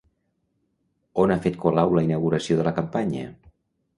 On ha fet Colau la inauguració de la campanya?